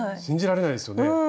信じられないですよね。